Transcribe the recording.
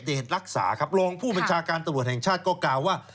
รักษาครับรองผู้บัญชาการตำรวจแห่งชาติก็กล่าวว่า